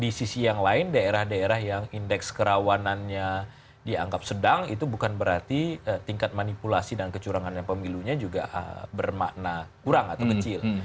di sisi yang lain daerah daerah yang indeks kerawanannya dianggap sedang itu bukan berarti tingkat manipulasi dan kecurangannya pemilunya juga bermakna kurang atau kecil